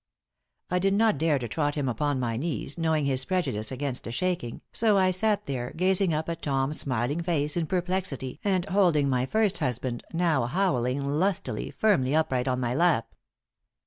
I did not dare to trot him upon my knees, knowing his prejudice against a shaking, so I sat there gazing up at Tom's smiling face in perplexity and holding my first husband, now howling lustily, firmly upright on my lap.